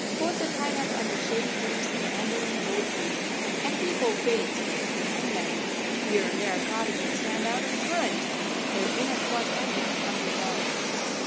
Boats are tied up under shady groves of mango and bo tree, and people bathe screened behind them. Here and there cottages stand out in the current, their inner quadrangles under water.